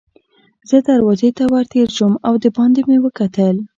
زه دروازې ته ور تېر شوم او دباندې مې وکتل.